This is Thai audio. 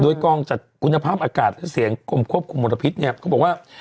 โดยกล้องจัดคุณภาพอากาศเสียงกลมครบกลมลพิษเนี้ยก็บอกว่า